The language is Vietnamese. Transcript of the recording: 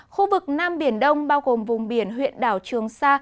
khu vực nam biển đông bao gồm vùng biển huyện đảo trường sa